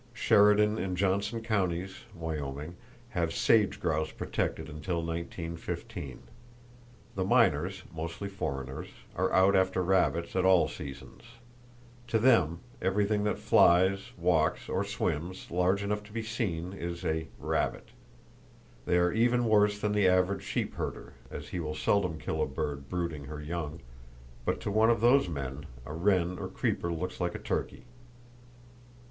Sheridan and Johnson Counties (Wyoming) have sage grouse protected until 1915. The miners (mostly foreigners) are out after rabbits at all seasons. To them everything that flies, walks or swims, large enough to be seen, is a "rabbit." They are even worse than the average sheep herder, as he will seldom kill a bird brooding her young, but to one of those men, a wren or creeper looks like a turkey.